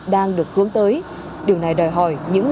hướng tới điều này đòi hỏi những